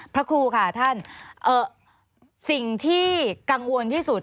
พระครูค่ะท่านสิ่งที่กังวลที่สุด